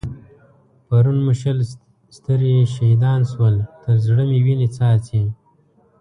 پرون مو شل سترې شهيدان شول؛ تر زړه مې وينې څاڅي.